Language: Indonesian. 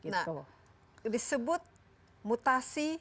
nah disebut mutasi